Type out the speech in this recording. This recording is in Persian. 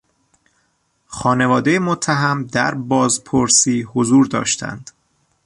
خانوادهی متهم در بازپرسی حضور داشتند.